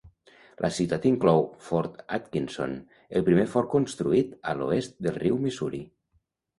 La ciutat inclou Fort Atkinson, el primer fort construït a l'oest del riu Missouri.